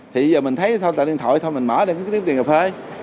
thì giờ mình thấy thôi tìm điện thoại thôi mình mở đây cũng kiếm tiền cà phê